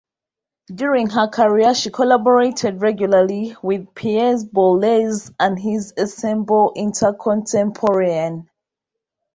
During her career she collaborated regularly with Pierre Boulez and his Ensemble Intercontemporain.